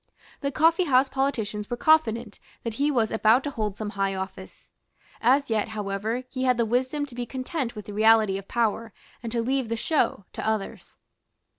The coffeehouse politicians were confident that he was about to hold some high office. As yet, however, he had the wisdom to be content with the reality of power, and to leave the show to others.